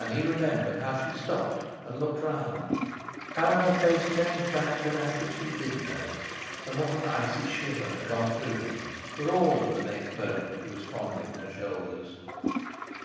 And he remembered how she stopped and looked round, how her face changed back to that which he did know, and what an icy shiver had gone through him, for all that the next moment he was fondling her shoulders.